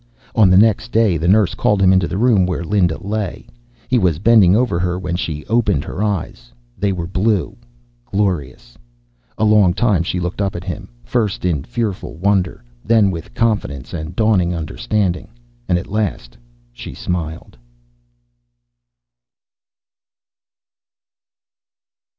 On the next day, the nurse called him into the room where Linda lay. He was bending over her when she opened her eyes. They were blue, glorious. A long time she looked up at him, first in fearful wonder, then with confidence, and dawning understanding. And at last she smiled.